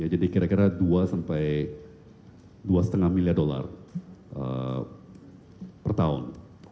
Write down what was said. jadi kira kira dua sampai dua lima miliar dolar per tahun